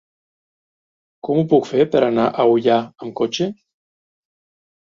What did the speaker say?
Com ho puc fer per anar a Ullà amb cotxe?